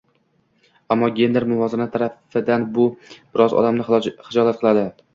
Ammo gender-muvozanat tarafidan bu biroz odamni xijolat qiladi.